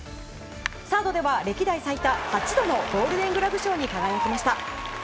サードでは歴代最多８度のゴールデングラブ賞に輝きました。